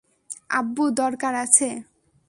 আব্বু দরকার আছে।